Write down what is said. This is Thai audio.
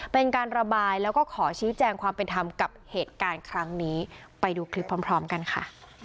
เป็นการระบายแล้วก็ขอชี้แจงความเป็นธรรมกับเหตุการณ์ครั้งนี้ไปดูคลิปพร้อมกันค่ะ